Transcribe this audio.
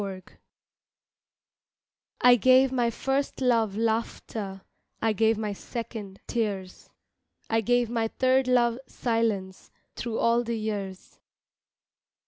GIFTS I GAVE my first love laughter, I gave my second tears, I gave my third love silence Thru all the years.